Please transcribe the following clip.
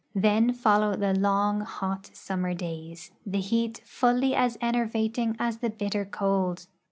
Then folloAv the long, hot summer days, the heat fully as enervating as the bitter cold.